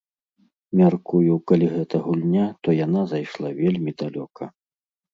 Мяркую, калі гэта гульня, то яна зайшла вельмі далёка.